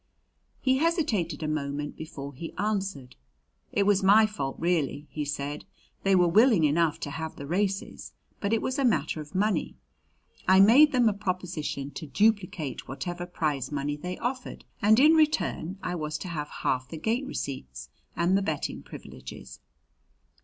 He hesitated a moment before he answered. "It was my fault really," he said. "They were willing enough to have the races, but it was a matter of money. I made them a proposition to duplicate whatever prize money they offered, and in return I was to have half the gate receipts and the betting privileges."